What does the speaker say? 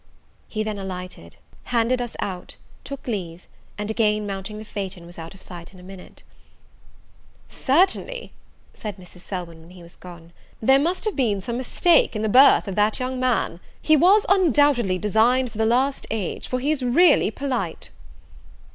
He then alighted, handed us out, took leave, and again mounting the phaeton, was out of sight in a minute. "Certainly," said Mrs. Selwyn, when he was gone, "there must have been some mistake in the birth of that young man; he was, undoubtedly, designed for the last age; for he is really polite!"